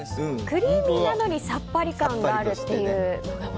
クリーミーなのにさっぱり感があるっていう。